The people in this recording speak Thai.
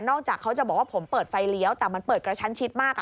จากเขาจะบอกว่าผมเปิดไฟเลี้ยวแต่มันเปิดกระชั้นชิดมาก